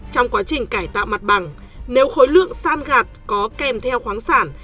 trong quá trình cải tạo mặt bằng nếu khối lượng san gạt có kèm theo khoáng sản